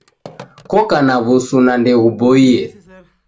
Koka na w'usu na ndeghuboie